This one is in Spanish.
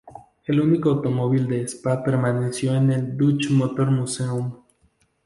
El único automóvil de Spa permaneció en el Dutch Motor Museum.